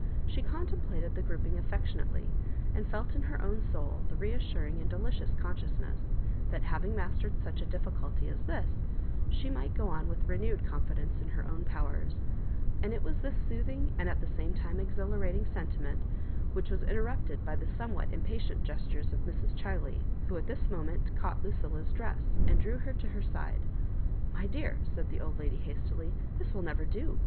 She contemplated the grouping affectionately, and felt in her own soul the reassuring and delicious con sciousness that, having mastered such a difficulty as this, she might go on with renewed confidence in her own powers ; and it was this soothing, and at the same time exhilarating, sentiment which was interrupted by the somewhat impatient gestures of Mrs. Chiley, who at this moment caught Lu> cilia's dress, and drew her to her side. • "My dear," said the old lady, hastily, "this will never do.